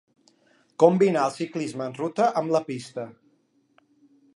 Combinà el ciclisme en ruta amb la pista.